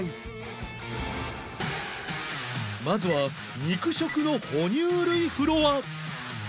まずは肉食の哺乳類フロア